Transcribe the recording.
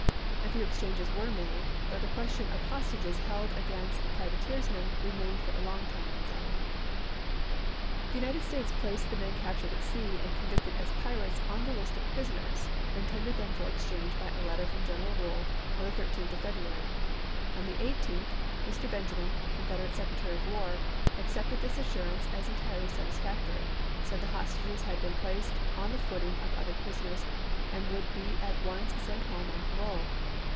A few exchanges were made, but the question of the hostages held against the priva teersmen remained for a long time unsettled. The United States placed the men captured at sea and convicted as pirates on the list of prisoners, and tendered them for exchange by a letter from Gen 1862. eral Wool on the 13th of February. On the 18th Mr. Benjamin, Confederate Secretary of War, ac cepted this assurance as entirely satisfactory, said the hostages had been placed on the footing of other prisoners, and would be at once sent home on parole.